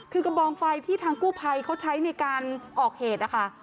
คือกระบองไฟที่ทางกู้ภัยเขาใช้ในการออกเหตุนะคะ